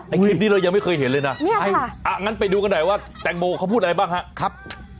คลิปนี้เรายังไม่เคยเห็นเลยนะงั้นไปดูกันหน่อยว่าแตงโมเขาพูดอะไรบ้างครับ